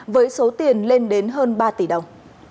với số tiền lên đến hơn ba tỷ đồng